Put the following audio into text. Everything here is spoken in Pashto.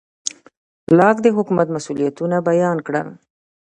لاک د حکومت مسوولیتونه بیان کړل.